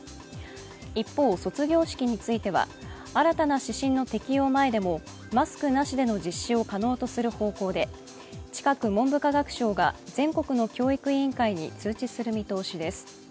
一方、卒業式については新たな指針の適用前でもマスクなしでの実施を可能とする方向で近く文部科学省が全国の教育委員会に通知する見通しです。